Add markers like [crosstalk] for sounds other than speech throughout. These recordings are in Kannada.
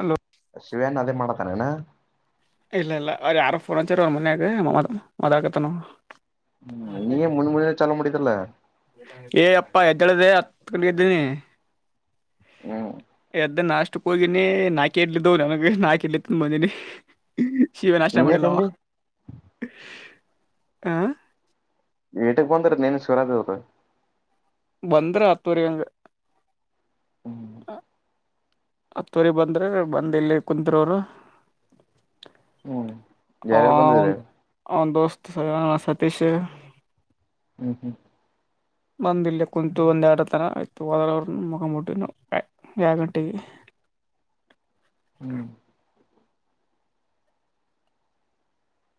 ಹಲೋ ಶಿವೇನ್ ಅದೇ ಮಾಡತಾನೇಣ ಇಲ್ಲ ಇಲ್ಲ ಅವ್ರ ಯಾರು ಫೋನ್ ಅಂಚಾರ ಅವ್ ಮನೆಯಾಗ ಮದಕತನ ಹ್ಮ ನೀಯೇ ಮುನ್ ಮುಣ ಚಲ್ಲ ಮುಡದಲ್ಲ ಏ ಅಪ್ಪಾ ಎದ್ದಳ್ದೆ ಹತ್ ಕಡೆಗೆದ್ದೀನಿ ಹ್ಞ ಎದ್ದ ನಾಷ್ಟು ಹೋಗಿನಿ ನಾಕೆ ಇಡ್ಲಿದ್ದವು ನನಗೆ ನಾಕಕ್ ಇಡ್ಲಿ ಬಂದಿನಿ ಶಿವನಾಶನ ನೀನೇ ಮಾಡಿಲ್ಲವ ತಂದಿ ಆ ಟಕ್ ಬಂದ್ರ ನೀನ್ ಶುರ ಅರು ಬಂದ್ರ ಹತ್ತುವರಿ ಹಂಗ ಹ್ಮ್ ಆತ್ತೋರಿ ಬಂದ್ರೆ ಬಂದ ಇಲ್ಲಿ ಕುತ್ರೋರು ಯಾರ್ಯಾರು ಬಂದಿದ್ರಿ ದೋಸ್ತ ಸ ಸತೀಶ್ [inaudible] ಬಂದ ಇಲ್ಲ ಕುಂತು ಒಂದು ಎರಡು ತರ ಆಯತು ಹೋದ್ರ ಅವ್ರ ಮಗ ಮುಟ್ಟ ನಾವು ಯಾವ ಗಂಟೆಗೆ ಹ್ಮ್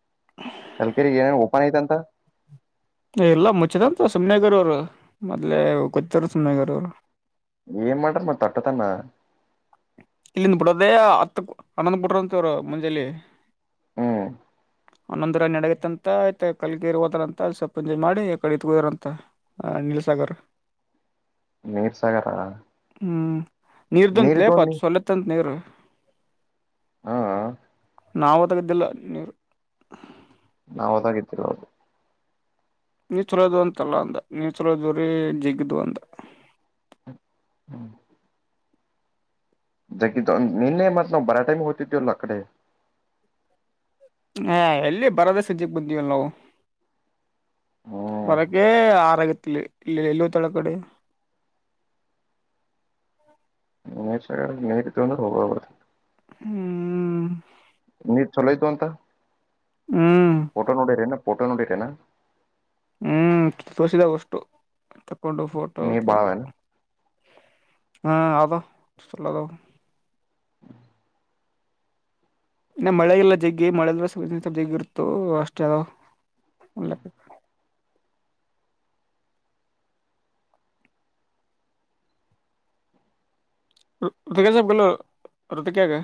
[inaudible] ಕಲ್ಕರಿರಿಗೆ ಏನ ನಂದ ಎಲ್ಲಾ ಮುಚ್ಚಿದಂತ ಸುಮನೆಗರ್ ಅವ್ರು ಮೊದ್ ಕೂತ್ತಾರ ಸುನೆಗರ್ ಅವ್ರು ಏನ್ ಮಾಡ್ರ ಮ ತೊಟ್ಟ ತನ ಇಲ್ಲಿಂದ ಬಿಡೋದೇ ಹತ್ತ ಹನ್ನೊಂದ್ ಬಿಟ್ರರು ಅಂತರು ಮುಂಜೆಯಲ್ಲಿ ಹ್ಞ ಒಂದೊಂದರ ನಡಗೈತ್ ಅಂತ ಆಯ್ತ ಕಲ್ಗಿರ್ ಹೋದಾರ ಅಂತ ಸಲ್ಪ್ ಎಂಜಾಯ್ ಮಾಡಿ ಕಡೆ ಹೋದಾರ ಅಂತ ಹ ನೀಲ ಸಾಗರ್ ನೀಲ್ ಸಾಗರ ಹ್ಮ್ ನೀರ್ ತುಂಬ್ತ್ಲೆ ಪತ್ ಸೊಲ್ಲತ್ತಂತ್ತ್ ನೀರು. ಹಾ ಆ ನಾವು ತಗ್ದಿಲ್ಲ ನೀರು ನಾವ್ ಹೋದಾಗಿತ್ರಿ ಹೌದು. ನೀರ್ ಚಲೋದು ಅಂತಲ್ಲ ಅಂದ ನೀಚಲೋದ್ರರಿ ಜಿಗ್ದ್ವು ಅಂದ. ಹ್ಮ್ ಜಗ್ಗಿದ ನಿನ್ನೆ ಮತ್ ನಾ ಬರ ಟೈಮ್ ಹೋಗ್ತಿದ್ಯಲ್ಲ ಅ ಕಡೆ. ಹಾ ಎಲ್ಲಿ ಬರದ ಸಂಜಿಗ್ ಬಂದಿವಲ್ ನಾವು. ಹ್ಮ್ ಬರಕ್ಕೆ ಆರಗ್ಯತ್ಲೆ ಇಲ್ ಎಲ್ಲೋ ತಳ ಗಡೆ. ಮೇಷ ಗಾರನ್ ಮೇರಿ ತೊಂದ್ರೆ [unintelligible] ಹ್ಮ್ ನೀರ್ ಚಲೋ ಐತಂತ. ಉಮ್ ಫೋಟೋ ನೋಡಿರೇನಾ ಫೋಟೋ ನೋಡಿರೇನ. ಹ್ಮ್ ತೋರ್ಸಿದ ಅವಷ್ಟು ತಕೊಂಡು ಫೋಟೋ ನೀರ್ ಅದು ಇದು ಬಾಳವೇನ ಹಾ ಅದು ಚಲ್ ಅದಾವನ್ ಇನ್ನ ಮಳೆಗೆಲ್ಲ ಜಗ್ಗಿ ಮಳೆ ಸ್ವಲ್ಪ [unintelligible] ಜಗ್ ಇರುತ್ತು ಅಷ್ಟ [unintelligible] ರುತಿಕ ಜಬ್ಬುಲು ರುತಿಕಗ್ಯ.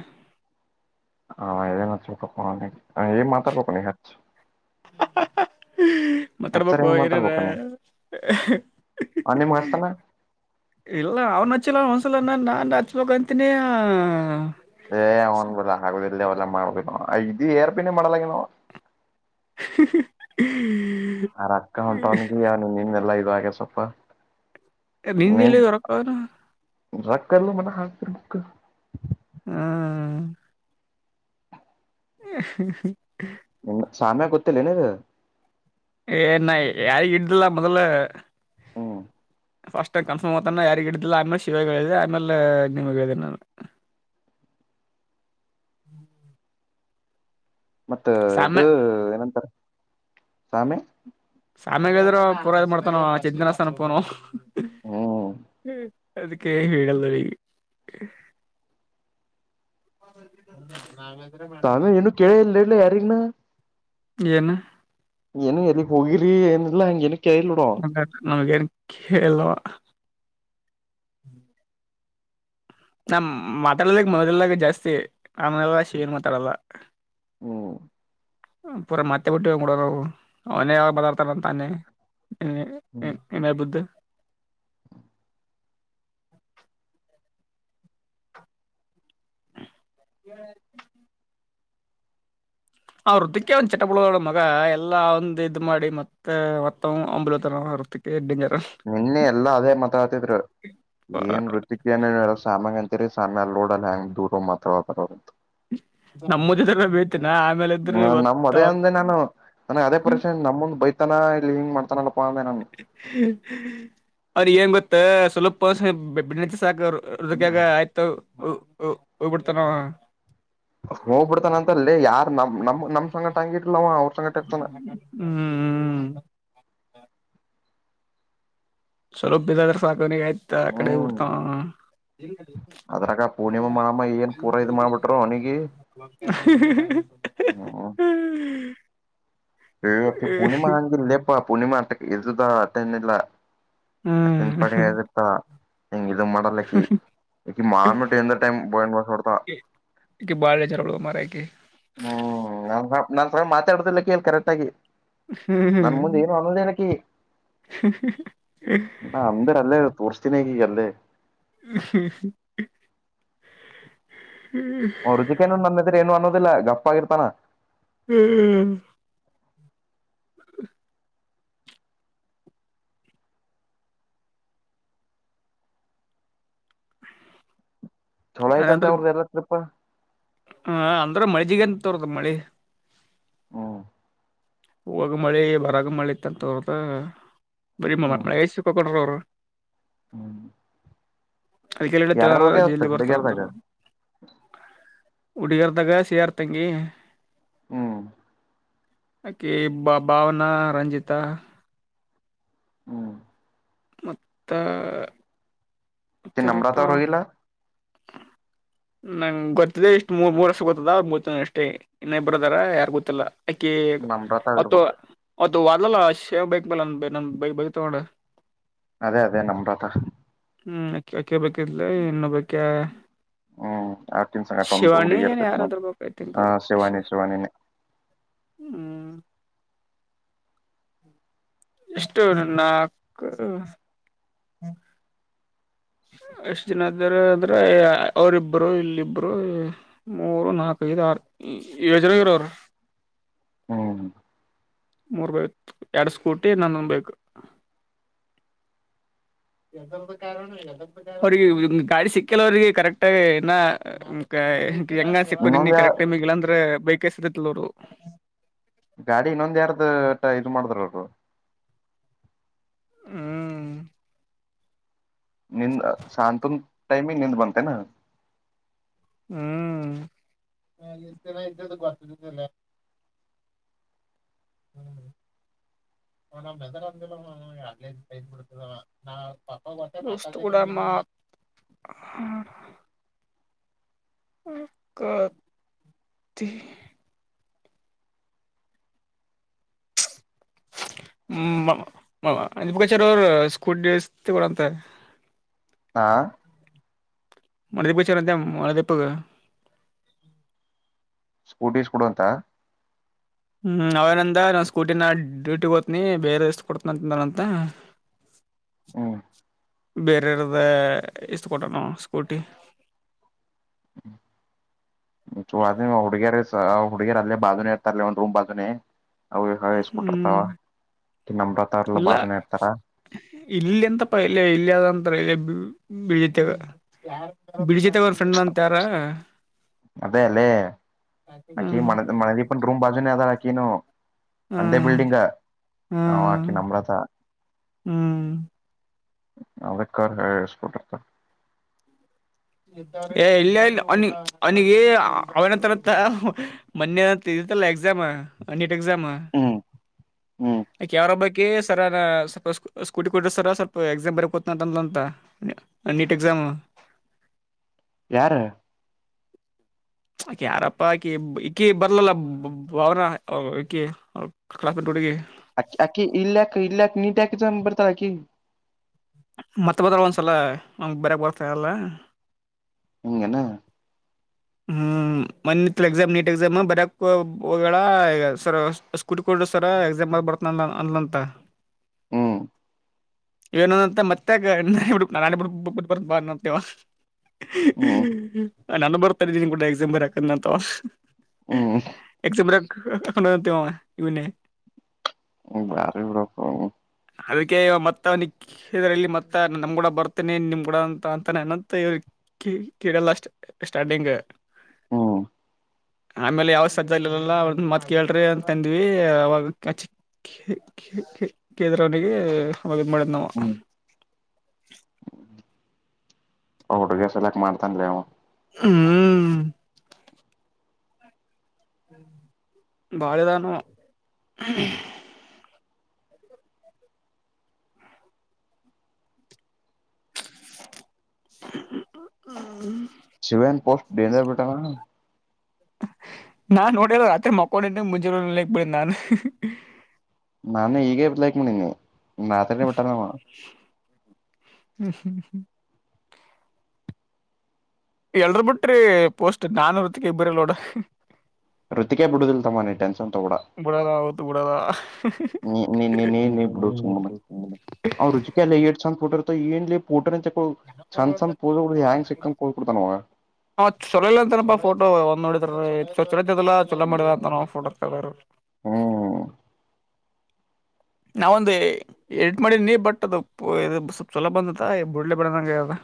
[unintelligible] ಏನ್ ಮಾತಾಡ್ಬೇಕ್ ಅವ್ನಿಗ್ ಹಚ್ಚಿ ಅ ಹ್ ಹ್ ಹ್ಮ್ ಹಚ್ಚರ ಮತ್ತರ್ಬೇಕು ಹೆಂಗ್ ಏನೇನ ಮಾತಾಡ್ಬೇಕು ನೀ ಅಹ್ ಹಿ ಹಿ ಅವ್ ನಿಮ್ಗ್ ಹಿ ಹಚ್ತಾನ ಇಲ್ಲ ಅವ್ನು ಹಚ್ಚಿಲ್ಲ ಒಂದ್ಸಲನ ನಾನು ಹಚ್ಬೇಕಂತನಿ ಆ. ಏ ಅವ್ನ್ ಬಲ್ಲ ಆಗುದ ಇಲ್ಲಿ ಅವಲ್ಲ ಮಾ [unintelligible] ಮಾಡಲಾಗ್ಯಾದ್ ಅವ. ಹಿ ಹಿ ಹಿ ಆರಕ್ಕ ಹೊಂಟವನಗಿ [unintelligible] ನಿಮ್ಮಿಂದೆಲ್ಲಾ ಇದಾಗ್ಯದ್ ಸ್ವಲ್ಪ. ಏಯ್ ನಿಂದಿಲ್ಲಿ ಅವ್ರಪ್ಪ [unintelligible] ರೊಕ್ಕಲ್ಲ ಮನ ಹಾಕ್ತಿರ್ಬೇಕ. ಹ್ಮ ಅಹ್ ಹ್ ಹ್ ಸಾಮ್ಯ ಗೊತ್ತಿಲ್ಲೆನ್ ನಿನ ಏ ನ ಯಾರಿಗ್ ಇದ್ಲ ಮೊದಲ. ಹ್ಮ್ ಫಸ್ಟ್ ಟೈಮ ಕನ್ಫರ್ಮ್ತಾನ ಯಾರಿಗಿಡ್ದಿಲ್ಲ ಆಮೇ ಶಿವಗ್ ಹೇಳಿದೆ ಆಮೇಲೆ ನಿಮಗೆ ಹೇಳಿದ್ ನಾನು. ಮತ್ತ ಸಾಮ್ಯ ಇದು ಏನಂತಾರೆ ಸಾಮಿ. ಸಾಮ್ಯಾಗದ್ರ ಪೂರಾ ಮಾಡ್ತಾನವ [unintelligible] ಫೋನು. ಹ್ಮ್ ಅದಕ್ಕೆ ಹೇಳೀಲ್ಲವಿಗ್ ಹ್ಮ್ ನಾವೇ ತಾನೇ ಏನು ಕೇಳೇ ಇಲ್ ಇನ್ನು ಯಾರಿನ್ನು. ಏನ ಏನು ಎಲ್ಲಿಗ್ ಹೋಗಿರಿ ಏನಿಲ್ಲ ಅಂಗೇನು ಕೇಳಿಲ್ಲ ನೋಡು ಅವ [unintelligible] ನಮ್ಗೇನು ಕೇಳಿಲ್ಲವ. ನಾ ಮಾತಾಡಲ್ಲ ಮೊದಲಿನಂಗ ಜಾಸ್ತಿ. ಆಮೇಲಾಶಿ ಏನು ಮಾತಾಡಲ್ಲ. ಹ್ಮ್ ಪೂರ ಮತ್ತೆ ಬಿಟ್ಟಿವಿ ಬಿಡದವು ಅವನೇ ಯಾವಗ ಮಾತಾಡ್ತಾನ್ ತಾನೇ [unintelligible] ಇನಾ ಬಿದ್ದ ಹಂ ಅವ್ರ ಟಿಕ್ಯಾ ಒಂದ ಚಟ ಬಿಡುವಲ್ಲ ಮಗ ಎಲ್ಲಾ ಒಂದ ಇದ್ ಮಾಡಿ ಮತ್ತ ಮತ್ತ್ ಅವ್ನ ಬಲ್ಲಿ ಹೋತಾ ಟಿಕೆಟ್ಟ್ ಡಿನ್ನರ್ ನಿನ್ನೆ ಎಲ್ಲಾ ಅದೇ ಮಾತಾಡ್ತಿದ್ರು ಏನ್ರಿ ಟಿಕ್ಯಾನ್ ಸಾಮ್ಯಗ್ ಅಂತೀರಿ ಸಮ್ಮ್ಯಾ ಅಲ್ಲಿ ನೋಡಲ್ಲ ಹೆಂಗ ದೂರ ಹೋಗಿ ಮಾತಾಡತಾರ್ ಅಂತ. ನಮ್ಮ ಮುದಿ ಗೂಬೆ ಬೈತನ ಆ ಹ್ಮ ನಮ್ಮ ಅದೇ ಅಂದೆ ನಾನು. ನನಗ್ ಅದೇ ಪರೀಶಾನಿ ನಮ್ಮ ಮುಂದ್ ಬೈತಾನ ಇಲ್ಲಿ ಹಿಂಗ್ ಮಾಡ್ತಾನಲ್ಲಪ್ಪಾ ಅಂದೆ ನಾನು. ಅವ್ರಿಗ್ ಏನ್ ಗೊತ್ತ ಸ್ವಲ್ಪ ಸ್ವಲ್ಪ್ ಬೆಣ್ಣಿ ಹಚ್ಚಿರ್ ಸಾಕ ಅವ್ರ್. [unintelligible] ಆಯ್ತ ಹೋ ಹೋ ಹೋಗ್ಬಿಡ್ತನಾ ಅವ. ಹೋಗ್ಬಿಡ್ತಾನ ಅಂತ ಅಲ್ಲೆ ಯಾರ್ ನಮ್ ನಮ್ ನಮ್ ಸಂಗಟ ಹಂಗಿರ್ಲವ ಅವ್ರ ಸಂಗಟ ಇರ್ತಾನ. ಹ್ಮ್. ಸ್ವಲ್ಪ ಇದು ಅದ್ರ ಸಾಕು ಅವನಿಗೆ ಆಯಿತು ಆಕಡೆ ಹೋಗಿ ಹ್ಮ್ ಬಿಡ್ತಾನಾ ಅವ - ಅದ್ರಾಗ ಪೂರ್ಣಿಮಾ ಮಾಮ್ಮ ಏನ್ ಪೂರಾ ಇದ್ ಮಾಡ್ಬಿಟ್ರರು ಅವನಿಗೆ [inaudible] [unintelligible] ಏ ಆಕಿ ಪೂರ್ಣಿಮಾ ಹೆಂಗ್ರಿ ಲೇ ಪಾ ಪೂನಿಮಾ ಅ ಇದುದಾ ಅತ್ತನಿಲ್ಲ ಅಕಿನ ಹ್ಮ್ ಪಾಡಿಗ್ ಆಕಿ ಇರ್ತಾಳ. ಹಿಂಗ್ ಇದನ್ನ ಮಾಡಲ್ಲಕಿ ಮಾಮಿಟು ಎಂತ ಟೈಮ ಬಯನ್ [unintelligible] ಇಕಿ ಬಾಳ ಡೇಂಜರ್ ಆದಳೋ ಮಾರಾಯ ಅಕಿ. ಹ್ಮ್ ನಾ ನನ್ನ ಸಂಘಟ ಮಾತೆ ಆಡುದಿಲ್ಲ ಅಕಿ ಕರೆಕ್ಟ್ ಆಗಿ. ನನ್ ಹ್ಮ್ ಮುಂದೆ ಏನು ಅನ್ನೋದೇನಕಿ ಹ್ಮ [unintelligible] ನಾ ಅಂದ್ರ ಅಲ್ಲೇ ತೋರ್ಸ್ತೀನಿ ಈಗ ಅಕಿಗ ಅಲ್ಲೇ. ಹ್ಮ್ ಹೂ ಅವ್ ರುಜಿಕೇನು ನನ್ನ ಎದ್ರ ಏನು ಅನ್ನೋದಿಲ್ಲ ಗಫ ಆಗಿರ್ತಾನ. ಹ್ಮ್ ಹ್ಮ್ ಚೊಲೋ ಆಯ್ತಂತೆ ಅದಂದ್ರ ಅವ್ರದೇಲ್ಲಾ ಟ್ರಿಪ್? ಹ ಅಂದ್ರ ಮಳಜಿಗೆಗಂತ ತರದ ಮಳಿ. ಹ್ಮ್ ಹೋಗಾಗ್ ಮಳಿ ಬರಗ ಮಳಿ ಇತ್ತಂತ ಅವ್ರದ ಬರಿ ಮಳಿ ಹ್ಮ್ ಮಳ್ಯಾಗ್ ಸಿಕ್ಕಾಕೊಂಡ್ರ ಅವರು. ಹ್ಮ್ ಅದಕ್ಕೆ ಇಲ್ಲಿದ ಯಾರಾರ [unintelligible] ಹೋಗ್ಯಾವತ್ತ ಜಲ್ದೀ ಬರ್ತಾರ ಅಂತಾರ ಹುಡುಗ್ಯಾರದಾಗ ಹುಡಗ್ಯರ್ದಾಗ ಸಿಆರ್ ತೇಗಿ ಹ್ಮ್ ಅಕಿ ಬ ಭಾವನ ರಂಜಿತಾ ಹ್ಞ ಮತ್ತ ಅಕಿ ನಮ್ರತಾ ಯಾರಪ್ಪಾ ಅವ್ರ ಹೋಗಿಲ್ಲಾ? ನಂಗ ಗೊತ್ತಿದೆ ಇಷ್ಟು ಮೂರ್ ಮೂರ ಅಷ್ಟ ಗೊತ್ತದ ಮೂರ್ ಜನಾ ಅಷ್ಟೇ ಇನ್ನ ಇಬ್ಬ್ರ್ ಆದಾರ ಯಾರ ಗೊತ್ತಿಲ್ಲ. ಅಕಿ ನಮ್ರತ ಅವತ್ತು ಇರ್ಬೇಕು ಅವತ್ತು ಹೊದ್ಲಲ್ಲಾ [unintelligible] ಬೈಕ್ ಮೇಲ ಬೈ ಬೈ ಬೇತಳ್ ನೋಡ್ ಅದೇ ಅದೇ ನಮ್ರತಾ ಹ್ಮ್ ಅ ಅಕ್ಕಿ ಒಬ್ಬಕಿದ್ಲ ಇನ್ನೊಬಕಿ ಹ್ಮ್ ಆಕಿನ ಸಂಗಟ ಒಂದ ಹುಡಗಿ ಏನ್ ಇರ್ತೇತ ಯಾರಾದ್ರ ಬೇಕ್ ಐ ತಿಂಕ್ ಹ ಅದು ಶಿವ ಶಿವಾನಿ ಶಿವಾನಿನೇ. ಹ್ಮ್ ಇಷ್ಟು ನಾಕ [unintelligible] ಎಷ್ಟ್ ಜನ ಇದ್ದಾರ ಅಂದ್ರೆ ಅವರಿಬ್ರು ಇಲ್ಲಿಬ್ರು ಮೂರು ನಾಲ್ಕಐದು ಆರು ಯಜನಾಗಿರೋರು ಹ್ಮ್ ಮೂರ್ ಬೈ ಎರಡ್ ಸ್ಕೂಟಿ ನನ್ನೊ್ ಬೇಕು ಎಮ ಕಾರಣ ಇಲ್ಲ ಅವ್ರಿಗೆ ಗಾಡಿ ಸಿಕ್ಕಲ್ಲ ಅವಿಗೆ ಕರೆಕ್ಟಗ ಇನ್ನ ಹೆಂಗ ಸಿಕ್ಕು ನಿನ್ನ ಇನ್ನೊಂದ ಕರೆಕ್ ಟೈಮ ಇಲ್ಲಾಂದ್ರೆ ಬೈಕ್ ಎಸತತಿಲ್ ಅವರು ಗಾಡಿ ಇನ್ನೊಂದ ಯಾರ್ದ ಟ ಇದ್ ಮಾಡಿದ್ರರು ಹ್ಮ್ ನಿಂದ್ ಶಾಂತನ್ ಟೈಮ ನಿಂದ್ ಬನ್ತೆನಾ ಹ್ಮ್ ಇದ್ದದ ಬರ್ತದಲ್ಲ [unintelligible] ನಮ್ಮ್ ಹೆದರ ಅಂದ ಅ ಷ್ಟ ಕೂಡಮ್ಮ [unintelligible] ಹ್ಮ ಮಾ ಅಂ ಬುಖಚಾರ ಅವರು ಸ್ಕೂಟಿ ಡಸ್ ಕೂಡ ಅಂತ [unintelligible] ಹಾ ಮಳೆದ ಬಿಚಾರ ಅಂತ ಮಳೆದೀಪ್ಪಗೆ ಸ್ಕೂಟೀಸ್ ಕೊಡ ಅಂತ ಹ್ಮ್ ಅವೇನಂದ ನಾ ಸ್ಕೂಟಿನ ನ ಡ್ಯೂಟಿಗ್ ಹೋನಿ ಬೇರೆ ಎಷ್ಟ ಕೊಡ್ತನಂತಂತ ಹ್ಮ್ ಬೇರೆೆಯ್ರದ್ದ ಇಷ್ಟು ಕೊಟ್ಟ ನಾ ಸ್ಕೂಟಿ ಹ್ಮ್ ಅ ಹುಡುಗಿಯರ ಹುಡುಗಿಯರ ಅಲ್ಲೇ ಬಾಜುನೇ ಇರ್ತಾರೆ ಒಂದು ರೂಮ್ ಬಾಜುನೇ ಅವು ಇಸ್ಕಟ್ಟಿರ್ತಾವ ಹ್ಮ್ ತಿ ನಂಬ್ರತಾರ್ಲ್ಲ ಬಾಜನ ಇರ್ತಾರ ಇಲ್ಲ ಎಂತಪ್ಪ ಇಲ್ಲ ಇಲ್ಲಿ ಅದಂತರ ಇಲ್ಲ ಬಿಳತೆೇವ ಬಿಡಿಜಿತ ವರ್ಷ ಸಣ್ಣಂತ ಯಾರ್ಮ ಅದೇ ಅಲ್ಲೇ ಆಕಿ ಮಣ ಮಣದೀಪನ್ ರೂಮ್ ಬಾಜು ಅದ ಹಾಕಿ ಒಂದೇ ಹ್ಮ್ ಬಿಲ್ಡಿಂಗ್ ಹ್ಮ್ ಹಾಕಿ ನಮ್ರತ ಹ್ಮ್ ಅದಕ್ಕ ಹೇಳಸ್ಬಿಟ್ಟತ ಏ ಇಲ್ಲ ಇಲ್ಲ ಅವನ ಅವನಿಗೆ ಅವನ ತರತ್ತ ಮಲ್ಲ ಎಕ್ಮ ಅ ಎಾಮ ಹ್ಮ್ ಹ್ಮ್ ಕೆವರಬ ಅ ಸರ ಸ್ವಲ್ಪ ಸ್ ಸ್ಕೂಟಿ ಕೊಡ್ರರು ಸರ ಸ್ವಲ್ಪ ಎಕ್ಸಾಮ್ ಬರಕ್ಕೋತನ ಅಂತ ಅಂದ ಅಂತ ನೀಟ್ ಎಕ್ಸಾಮ್ ಯಾರು ಆಕೆ ಯಾರಪ್ಪ ಆಕೆ ಈಕಿ ಬರ್ಲಲ್ಲ ಅವನ ಕಖಡ ಕಟ್ಟುಡ್ಗೆ ಅ ಅಕ್ಕಿ ಇಲ್ಲಕ್ಕ ಇಲ್ಲಕ್ ನೀಟ್ಯಾಕ ಬರ್ತಾ ಆಕಿ ಮತ್ತೆ ಬದ್ರ ಒಂದಂದುಸಲ ನಮ್ಗೆ ಬರರೆಕ್ ಬರ್ತಾಲ್ಲ ಹಂಗೆನಾ ಹ್ಮ್ ಮಂದತ್ ಎಕ್ಸಾಮ್ ನೀಟ್ ಎಕ್ಸಾಮ್ ಬರಕ್ ಸರ್ ಸ್ಕೂ ಸ್ಕೂಡ್ಡು ಸರ ಎಕ್ಸಾಮ್ ಆಗ ಬರ್ತಾನ ಅಲಂತ ಹ್ಮ್ ಏನ ಅಂತ ಮತ್ತಾಗ ನ ಬಿ ನಾ ಬಿ ಬಿ ಬರ್ ಬ ಅಂತೇವ ಹ್ಮ್ ನಾನು ಬರ್ತಾ ಇದೀನ ಕೂಡ ಎಕ್ಸಾಮ ಬರ್ಕಂದ ಅಂತ ಹ್ಮ್ ಎಕ್ಸ್ ಬ್ರೆಕ್ [unintelligible] ಇವನೆ ಹ್ಮ್ ಬಾರಿ ಬೀಡಪ್ಪ್ ಅವನ್ ಅದಕ್ಕೆ ಮತ್ತ ಅವನಿಗ್ ಇದರಲ್ಲಿ ಮತ್ತ ನಮ್ಗೂಡ ಬರ್ತಿನಿ ನಿಮ್ ಗೂಡ ಅಂತ ಅಂತಾನ ಎನಂತ ಇವಿಗೆ ಕಿ ಕಿಗಲ್ಲ ಅಷ್ಟ ಸ್ಟಾರ್ಟಿಂಗ್ ಹ್ಮ ಆಮೇಲೆ ಯಾವ್ದ ಸಜಾಲ್ಲಿಲ್ಲ ಅವ ಒಂದ್ ಮಾತ್ ಕೇಳ್ರಿ ಅಂತ ತಂದ್ವಿ ಅವಾಗಚ್ಚಿ ಕೆ ಕೆ ಕೆ ಕೇಳದ್ರವನಿಗಿ ಅವಾಗಿದ್ ಮಾಡಿದ ನಾವ್ ಅವ್ ಹುಡುಗೆ ಸೆಲೆಕ್ಟ್ ಮಾಡ್ತಾನ ಲೇ ಆವ್ ಹ್ಮ ಬಾಳ ಇದಾನವ್ ಹ್ಮ್ [inaudible] ಶಿವೆನ್ ಪೋಸ್ಟ್ ಡೇಂಜರ್ ಬಿಟ್ಟಾನ್ ನಾನ್ ನೋಡಿಲ್ಲ ರಾತ್ರಿ ಮಕ್ಕೊಂಡಿದ್ದೆ ಮುಂಜಾಲ್ ಹೋಗಿ ಲೈಕ್ ಮಾಡೀನ ನಾನು ನಾನು ಈಗೇ ಲೈಕ್ ಮಾಡೀನಿ ರಾತ್ರಿನೇ ಬಿಟ್ಟಾನ ಅವ ಹ್ಮ್ ಎಲ್ರೂ ಬಿಟ್ರಿ ಪೋಸ್ಟ್ ನಾನೂ ಋತ್ವಿಕ ಇಬರಿಲ್ ನೋಡ ಋತಿಕೇ ಬುಡೂದಿಲ್ ತಮ್ಮ ನೀ ಟೆನ್ಷನ್ ತೊಬೇಡ ಬಿಡದ ಅವತ್ತು ಬಿಡದ ನೀ ನೀ ನೀ ನೀ ಬುಡ್ ಸುಮ್ಮನ್ ಅವ್ ರುಚಿ ಲ್ಲ ಏಟ್ ಚಂದ್ ಪೋಟ ಇರ್ತವ ಏನ್ಲೆ ಪೋಟನೆ ತೆಕೊಳದ್ ಚಂದ ಚಂದ ಪೋಸಗಳ ಹೆಂಗ ಸಿಕ್ಕಂಗ ಪೋಸ್ ಕೊಡ್ತನ ಹೊಗ ಹ ಚೊಲೋ ಇಲ್ಲನಂತನಪ್ಪ ಫೋಟೋ ಒಂದ ನೋಡಿದ್ರ ಚಲೋತ್ತೆಗದಿಲ್ಲ ಚಲೋ ಮಾಡಿಲ್ಲ ಅಂತನ್ ಅವ್ ಫೋಟೋ [unintelligible] ಹ್ಮ್ ನಾವೊಂದು ಎಡಿಟ್ ಮಾಡಿನೀ ಬಟ್ ಅದು ಸ್ವಲ್ಪ್ ಚಲೋ ಬಂದದ್ ಬುಡ್ಲೆ ಬ್ಯಾಡನಂಗ ಆಗ್ಯಾದ್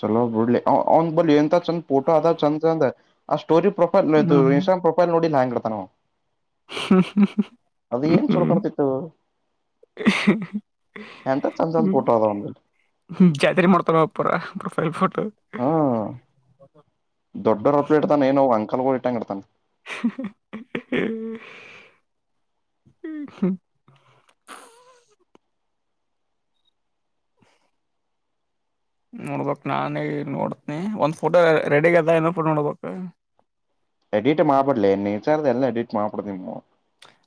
ಚಲೋ ಬಿಡ್ಲಿ ಅವನ್ ಬಲಿ ಎಂತ ಚಂದ ಪೋಟೋ ಅದ ಚಂದ ಚಂದ ಆ ಸ್ಟೋರಿ ಪ್ರ ಹ್ಮ್ ಇನ್ಸಟ್ಟಗ್ರಾಮ್ಮ ಪ್ರೊಫೈಲ್ ನೋಡಿಲ್ಲಾ ಹೆಂಗ ಇಡತಾನವ ಹ ಏನ್ ಹ್ಮ ಚಲೋ ಕಾಣ್ತಿತ್ತು ಎಂತ ಚಂದ ಚಂದ ಫೋಟೋ [unintelligible] ಅದಾವ ಅವನ್ ಬಲ್ಲಿ ಜಾತ್ರಿ ಮಾಡ್ತಾನವ ಪುರ್ ಪ್ರೊಫೈಲ್ ಫೋಟೋ ದೊಡ್ಡರಪಲೆ ಇಡತಾನ ಏನ ಅವು ಅಂಕಲ್ಗಳ ಇಟ್ಟಂಗ ಇಡತಾನ್ [inaudible] ಹ್ ಹ್ಮ ನೋಡ್ಬೇಕ್ ನಾನೀಗ್ ನೋಡ್ತನಿ ಒಂದ್ ಫೋಟೋ ರಡಿಯಾಗದ ಏನೊಂದ್ ಪೋಟೋ ನೋಡ್ಬೇಕ್ ಎಡಿಟ್ ಮಾಡಬಡಲೆ ನೆಚರದ ಎಲ್ಲ ಎಡಿಟ್ ಮಾಡಬಾಡದ್ ನಿಮೌನ್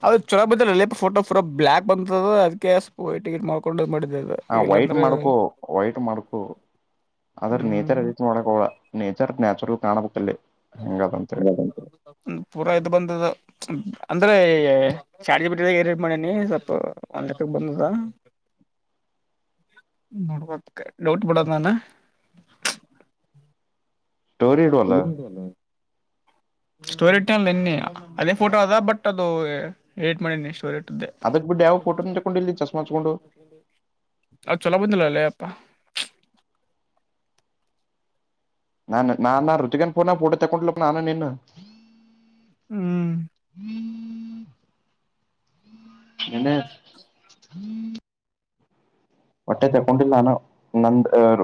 ಅದು ಚೊಲೋ ಬಂದಿಲಲೆ ಫೋಟೋ ಪುರ್ ಬ್ಲಾಕ್ ಬಂದದ್ ಅದು ಅದಕ್ಕೆ ಸ್ವಲ್ಪ ವೈಟ್ ಗಿನ್ ಮಾಡ್ಕೊಂಡ ಮಾಡಿದೆದ್ ಹ ವೈಟ್ ಮಾಡ್ಕೊ ವೈಟ್ ಮಾಡ್ಕೊ ಆದ್ರ ಹ್ಮ್ ನೇಚರ್ ಮಾಡಕ ಹೊಬೇಡ್ ನೇಚರ್ ನಾಚುರಲ್ ಕಾಣಬಕ್ಕಲ್ಲಿ ಒ ಪೂರ ಇದು ಬಂದದ್ ಅಂದ್ರೆ ಚಾಟ್ ಜಿ ಪಿ ಟಿದಾಗ್ ಎಡಿಟ್ ಮಾಡೇನಿ ಸ್ವಲ್ಪ ಒನ್ ಲೆಕ್ಕಕ್ ಬಂದದಾ [inaudible] ನೋಡ್ಬಕ್ ಡೌಟ್ ಬಿಡದ ನಾನ್ ಸ್ಟೋರಿ ಇಡುವಲ್ಲ [inaudible] [inaudible] ಸ್ಟೋರಿಟ್ಟನಲ್ಲ ನಿನ್ನಿ ಅದೇ ಫೋಟೋ ಅದ ಬಟ್ ಅದು ಎಡಿಟ್ ಮಾಡಿನಿ ಸ್ಟೋರಿಟ್ಟದೆ ಅದಕ್ ಬಿಡ್ ಯಾವ ಪೋಟ ತಕೊಂಡ ಇಲ್ಲಿ [unintelligible] ಹಚ್ಕೊಂಡು [unintelligible] ಅದ್ ಚಲೋ ಬಂದಿಲ್ಲಲ್ಲೆ ಯಪ್ಪಾ. ನಾನು ನಾನ ಋತುಗೇನ ಫೋನ್ನಗ ಫೋಟೋ ತಗೊಂಡಲ್ವಾ ನಾನು ನೀನು ಹ್ಮ ಏನಾ ಹೊಟ್ಟೆ ತಗೊಂಡಿಲ್ಲ ನಾನು ನಂದ.